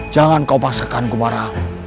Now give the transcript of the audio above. jangan kau pasangkan gumara